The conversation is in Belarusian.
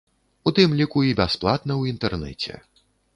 У тым ліку і бясплатна ў інтэрнэце.